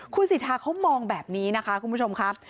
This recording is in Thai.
คุณสิทธาเขามองแบบนี้นะคะคุณผู้ชมครับ